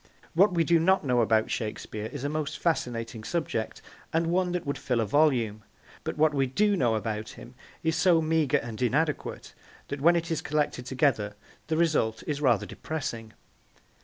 What we do not know about Shakespeare is a most fascinating subject, and one that would fill a volume, but what we do know about him is so meagre and inadequate that when it is collected together the result is rather depressing.